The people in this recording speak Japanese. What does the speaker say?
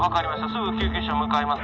すぐ救急車向かいます。